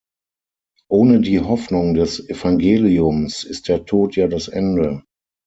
Ohne die Hoffnung des Evangeliums ist der Tod ja das Ende.